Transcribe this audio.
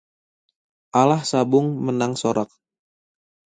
Alah sabung menang sorak